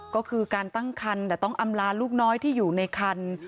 ก็คือการตั้งคันแต่ต้องอำลาลูกน้อยที่อยู่ในคัน